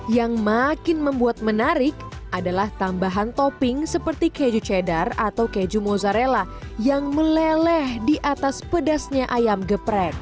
yang makin membuat menarik adalah tambahan topping seperti keju cheddar atau keju mozzarella yang meleleh di atas pedasnya ayam geprek